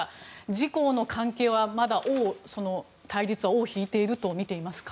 自公の関係はまだ、その対立は尾を引いているとみていますか。